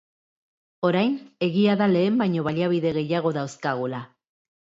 Orain, egia da lehen baino baliabide gehiago dauzkagula.